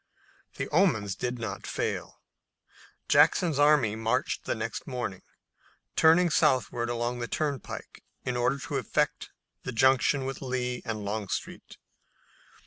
The omens did not fail. Jackson's army marched the next morning, turning southward along the turnpike in order to effect the junction with Lee and Longstreet.